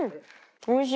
おいしい！